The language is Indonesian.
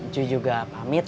cuy juga pamit